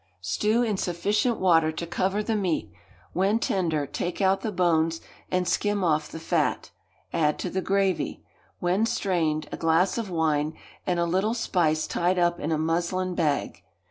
Stew in sufficient water to cover the meat; when tender, take out the bones, and skim off the fat; add to the gravy, when strained, a glass of wine, and a little spice tied up in a muslin bag.